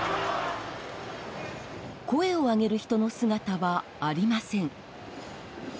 声をあげる人の姿はありません。